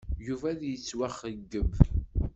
Yuba ad yettwaxeyyeb.